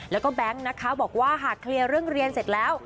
แล้วก็แบงค์นะคะบอกว่าหากเคลียร์เรื่องเรียนเสร็จแล้ว